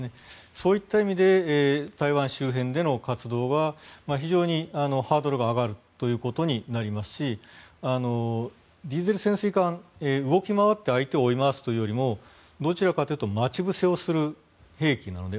そういった意味で台湾周辺での活動は非常にハードルが上がるということになりますしディーゼル潜水艦動き回って相手を追い回すというよりもどちらかというと待ち伏せをする兵器なので。